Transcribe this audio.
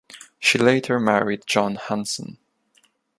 She later married John Hansen.